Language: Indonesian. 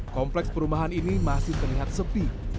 kompleks perumahan ini masih terjadi di jakarta selatan awal desember ini